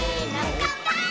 「かんぱーい！！」